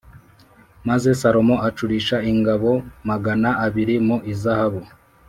Maze Salomo acurisha ingabo magana abiri mu izahabu